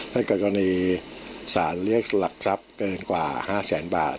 ถ้าเกิดกรณีสารเรียกหลักทรัพย์เกินกว่า๕แสนบาท